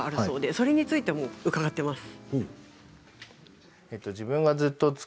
それについても伺っています。